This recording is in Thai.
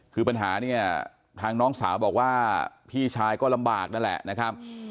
คือปัญหาเนี่ยทางน้องสาวบอกว่าพี่ชายก็ลำบากนั่นแหละนะครับ